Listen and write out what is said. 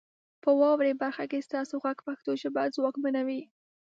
په واورئ برخه کې ستاسو غږ پښتو ژبه ځواکمنوي.